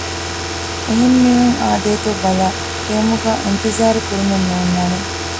އެހެން މީހުން އާދޭތޯ ބަލައި ކެއުމުގައި އިންތިޒާރު ކުރުމެއް ނޯންނާނެ